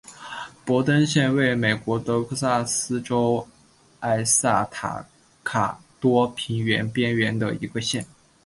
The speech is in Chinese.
博登县位美国德克萨斯州埃斯塔卡多平原边缘的一个县。